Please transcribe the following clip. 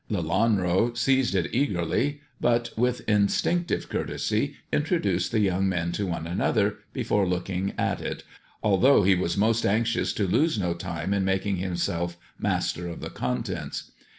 Lelanro seized it eagerly, but, with instinctive courtesy, introduced the young men to one another before looking at it, although he was most anxious to lose no time in making himself master of the contents.